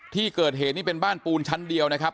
ที่เกิดเหตุนี่เป็นบ้านปูนชั้นเดียวนะครับ